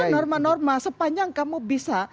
norma norma sepanjang kamu bisa